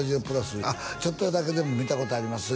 「ちょっとだけでも見たことあります」